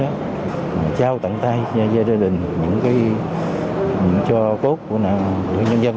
trao tặng tay gia đình những cho cốt của nhân dân